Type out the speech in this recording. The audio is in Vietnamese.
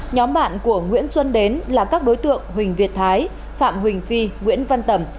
nhóm bạn của nguyễn xuân đến là các đối tượng huỳnh việt thái phạm huỳnh phi nguyễn văn tẩm